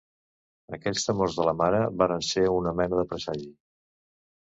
Aquells temors de la mare varen ser una mena de presagi.